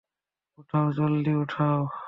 উঠাও, জলদি উঠাও।